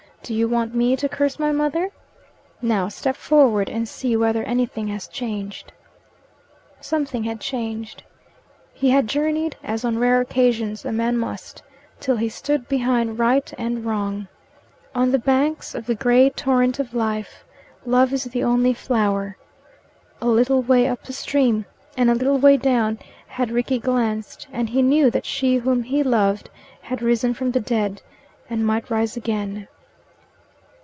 Do you want me to curse my mother? Now, step forward and see whether anything has changed." Something had changed. He had journeyed as on rare occasions a man must till he stood behind right and wrong. On the banks of the grey torrent of life, love is the only flower. A little way up the stream and a little way down had Rickie glanced, and he knew that she whom he loved had risen from the dead, and might rise again.